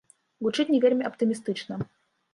Гучыць не вельмі аптымістычна.